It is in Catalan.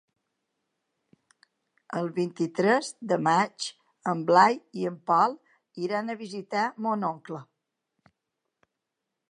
El vint-i-tres de maig en Blai i en Pol iran a visitar mon oncle.